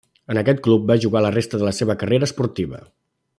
En aquest club va jugar la resta de la seva carrera esportiva.